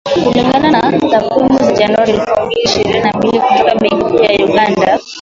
Kulingana na takwimu za Januari elfu mbili na ishirini na mbili kutoka Benki Kuu ya Uganda